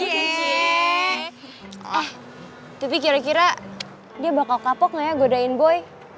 tapi kira kira dia bakal kapok gak ya godain boy